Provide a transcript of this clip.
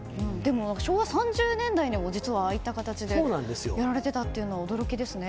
昭和３０年代にもああいった形でやられていたのは驚きですね。